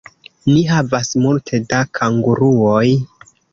Ni havas multe da kanguruoj